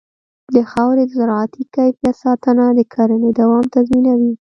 د خاورې د زراعتي کیفیت ساتنه د کرنې دوام تضمینوي.